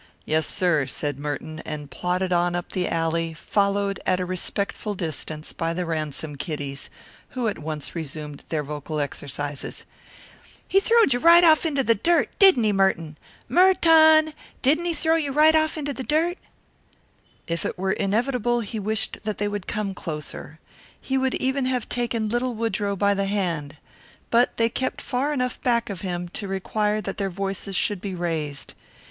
"Yes, sir," said Merton, and plodded on up the alley, followed at a respectful distance by the Ransom kiddies, who at once resumed their vocal exercises. "He throwed you off right into the dirt, didn't he, Merton? Mer tun, didn't he throw you off right into the dirt?" If it were inevitable he wished that they would come closer. He would even have taken little Woodrow by the hand. But they kept far enough back of him to require that their voices should be raised.